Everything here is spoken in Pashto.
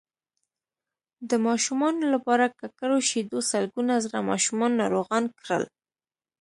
د ماشومانو لپاره ککړو شیدو سلګونه زره ماشومان ناروغان کړل